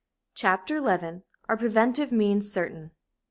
CHAPTER XI ARE PREVENTIVE MEANS CERTAIN?